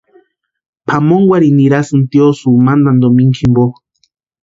Pʼamonkwarhini ninhasïnti tiosïo mantani domingu jimpo.